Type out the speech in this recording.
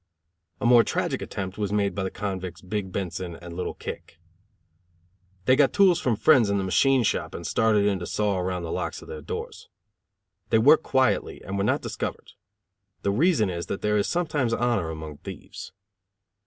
A more tragic attempt was made by the convicts, Big Benson and Little Kick. They got tools from friends in the machine shop and started in to saw around the locks of their doors. They worked quietly, and were not discovered. The reason is that there is sometimes honor among thieves.